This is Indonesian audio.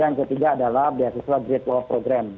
yang ketiga adalah beasiswa great wall programme